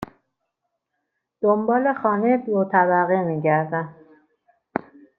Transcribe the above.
دنبال خانه دو طبقه می گردم.